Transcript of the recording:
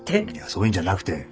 そういうんじゃなくて。